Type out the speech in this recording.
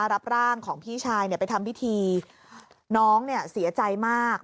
รับร่างของพี่ชายไปทำพิธีน้องเนี่ยเสียใจมาก